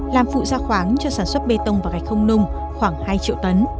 làm phụ gia khoáng cho sản xuất bê tông và gạch không nung khoảng hai triệu tấn